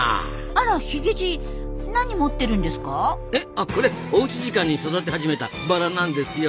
あこれおうち時間に育て始めたバラなんですよ。